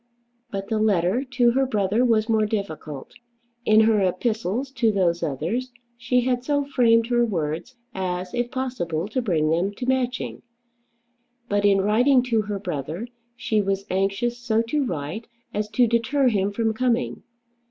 But the letter to her brother was more difficult. In her epistles to those others she had so framed her words as if possible to bring them to Matching. But in writing to her brother, she was anxious so to write as to deter him from coming.